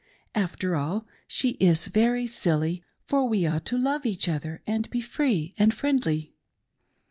After all, she is very silly, for we ought to love each other and be free and friendly.